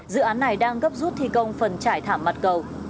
dự án này đang gấp rút thi công phần trải thảm mặt cầu